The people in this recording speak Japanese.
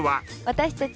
私たち。